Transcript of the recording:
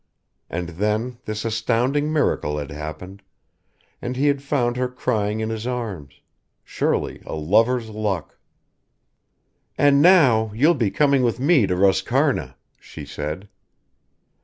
And then this astounding miracle had happened, and he had found her crying in his arms ... surely a lover's luck! "And now you'll be coming with me to Roscarna," she said.